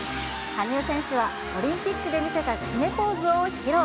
羽生選手は、オリンピックで見せた決めポーズを披露。